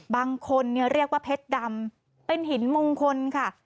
บางคนเนี่ยเรียกว่าเพชรดำเป็นหินมงคลค่ะ